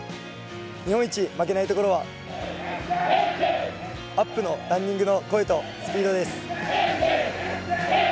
日本一負けないところはアップのランニングの声とスピードです。